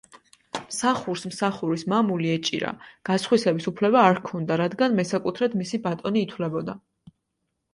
მსახურს „მსახურის მამული“ ეჭირა, გასხვისების უფლება არ ჰქონდა, რადგან მესაკუთრედ მისი ბატონი ითვლებოდა.